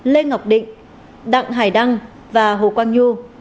lê ngọc định đặng hải đăng và hồ quang nhu